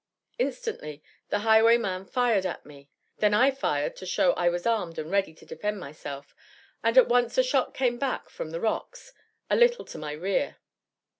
Instantly the highwayman fired at me. Then I fired to show I was armed and ready to defend myself; and at once a shot came from the rocks, a little to my rear.